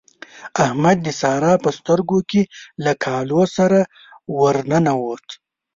احمد د سارا په سترګو کې له کالو سره ور ننوت.